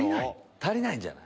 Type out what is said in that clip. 足りないんじゃない？